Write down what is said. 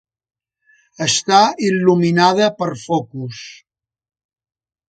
Està il·luminada per focus.